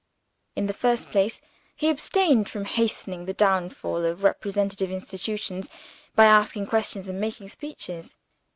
In the first place he abstained from hastening the downfall of representative institutions by asking questions and making speeches.